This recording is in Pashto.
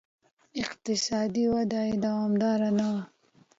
اقتصادي وده یې دوامداره نه وه